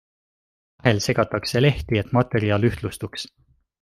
Vahel segatakse lehti, et materjal ühtlustuks.